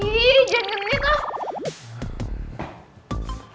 ih jangan ngejengit loh